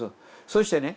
そしてね